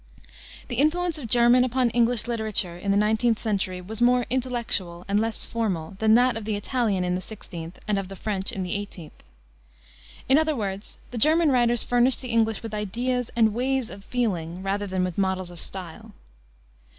The influence of German upon English literature in the 19th century was more intellectual and less formal than that of the Italian in the 16th and of the French in the 18th. In other words, the German writers furnished the English with ideas and ways of feeling rather than with models of style.